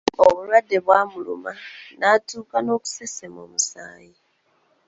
Obulwadde bw’amuluma n’atuuka n’okusesema omusaayi.